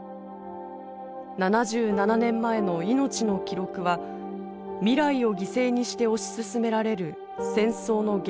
７７年前の命の記録は未来を犠牲にして推し進められる戦争の現実を今に突きつけています。